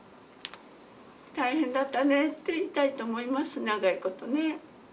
大変だったねって言いたいと思います、長いことね。